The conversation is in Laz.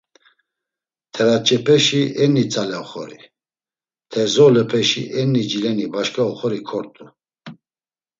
T̆eraç̌epeşi eni tzale oxori, Terzoğlepeşi enni cileni başt̆a oxori kort̆u.